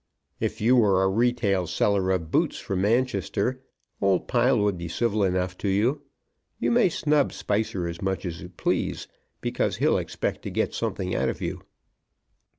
If you were a retail seller of boots from Manchester old Pile would be civil enough to you. You may snub Spicer as much as you please, because he'll expect to get something out of you."